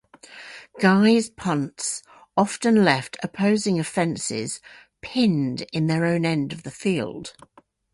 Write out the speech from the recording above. Guy's punts often left opposing offenses pinned in their own end of the field.